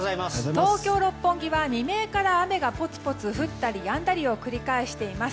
東京・六本木は、未明から雨がぽつぽつ降ったりやんだりを繰り返しています。